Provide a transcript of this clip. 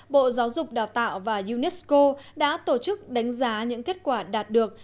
bộ giáo dục đào tạo và unesco đã tổ chức đánh giá những kết quả đạt được